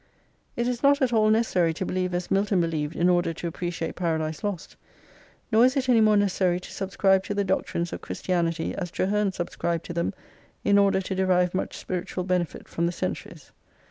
It is not at all necessary to believe as Milton believed in order to appreciate "Paradise Lost" : nor is it any more necessary to subscribe to the doctrines of Christianity as Traherne subscribed to them in order to derive much spiritual benefit from the " Centuries."